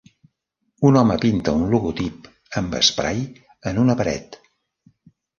Un home pinta un logotip amb esprai en una paret.